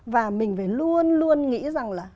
và mình phải luôn luôn nghĩ rằng là